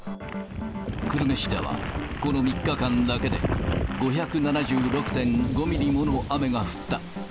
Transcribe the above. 久留米市では、この３日間だけで、５７６．５ミリもの雨が降った。